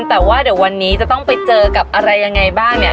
แต่ว่าเดี๋ยววันนี้จะต้องไปเจอกับอะไรยังไงบ้างเนี่ย